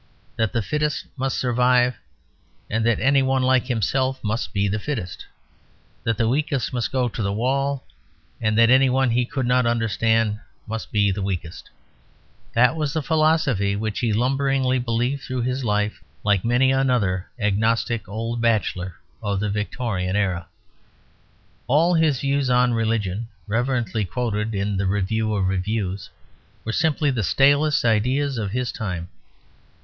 That the fittest must survive, and that any one like himself must be the fittest; that the weakest must go to the wall, and that any one he could not understand must be the weakest; that was the philosophy which he lumberingly believed through life, like many another agnostic old bachelor of the Victorian era. All his views on religion (reverently quoted in the Review of Reviews) were simply the stalest ideas of his time.